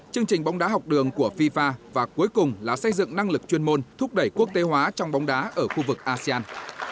chương trình bóng đá học đường của fifa và cuối cùng là xây dựng năng lực chuyên môn thúc đẩy quốc tế hóa trong bóng đá ở khu vực asean